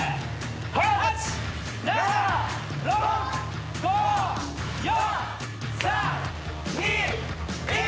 ８７６５４３２１。